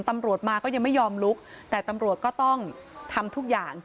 ตำรวจมาก็ยังไม่ยอมลุกแต่ตำรวจก็ต้องทำทุกอย่าง